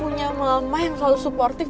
punya mama yang selalu suportif